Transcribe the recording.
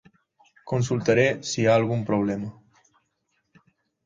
Consultaré si hi ha algun problema.